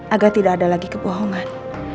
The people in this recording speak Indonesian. agar tidak ada lagi kebohongan